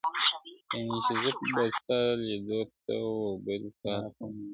یعني چي زه به ستا لیدو ته و بل کال ته ګورم~